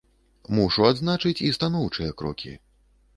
Мушу адзначыць і станоўчыя крокі.